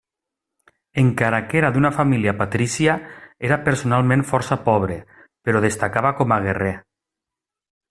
Encara que era d’una família patrícia era personalment força pobre, però destacava com a guerrer.